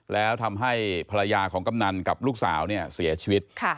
แล้วทำให้ภรรยาของกำนันกับลูกสาวเนี่ยเสียชีวิต